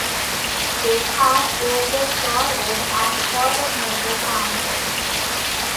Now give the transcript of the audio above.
They cut, welded, soldered, and coated metal samples.